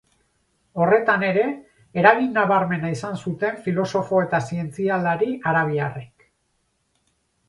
Horretan ere, eragin nabarmena izan zuten filosofo eta zientzialari arabiarrek.